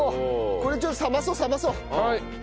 これちょっと冷まそう冷まそう！